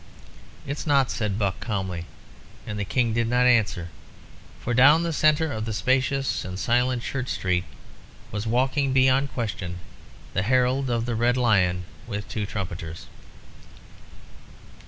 "It's not," said Buck, calmly; and the King did not answer, for down the centre of the spacious and silent Church Street was walking, beyond question, the herald of the Red Lion, with two trumpeters.